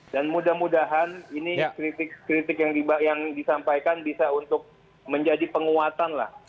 dan mudah mudahan ini kritik kritik yang disampaikan bisa untuk menjadi penguatan lah